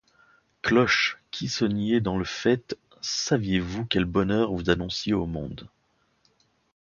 Cloches qui sonniez dans le faîte, saviez-vous quel bonheur vous annonciez au monde ?